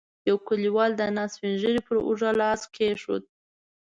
يوه کليوال د ناست سپين ږيری پر اوږه لاس کېښود.